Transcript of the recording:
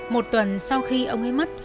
một tuần sau khi ông ấy mất